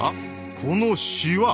このしわ。